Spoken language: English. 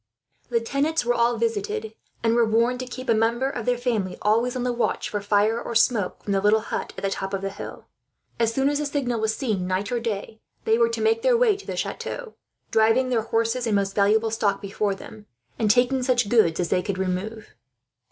The tenants were all visited, and were warned to keep a member of their family always on the watch for fire, or smoke, from the little hut at the top of the hill. As soon as the signal was seen, night or day, they were to make their way to the chateau, driving their horses and most valuable stock before them, and taking such goods as they could remove.